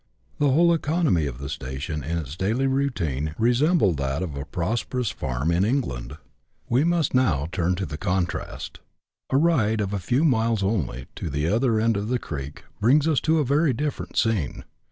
The whole economy of the station, in its daily routine, resembled that of a prosperous farm in England. l2 148 BUSH LIFE IN AUSTRALIA. [chap. xiii. We must now turn to the contrast. A ride of a few miles only, to the other end of the creek, brings us to a very different scene.